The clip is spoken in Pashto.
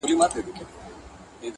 ورسره به وي ټولۍ د شیطانانو-